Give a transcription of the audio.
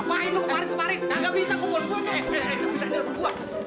kukrun gobelin mahal mahal buang